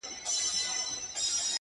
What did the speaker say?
دا رومانتيك احساس دي خوږ دی گراني _